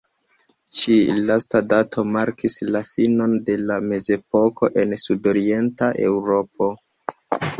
Ĉi-lasta dato markis la finon de la Mezepoko en Sudorienta Eŭropo.